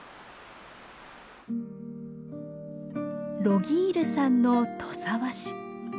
ロギールさんの土佐和紙。